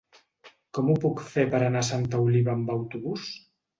Com ho puc fer per anar a Santa Oliva amb autobús?